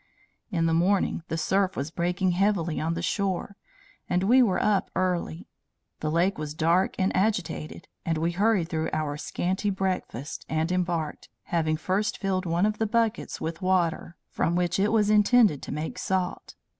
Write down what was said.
"In the morning, the surf was breaking heavily on the shore, and we were up early. The lake was dark and agitated, and we hurried through our scanty breakfast, and embarked having first filled one of the buckets with water from which it was intended to make salt.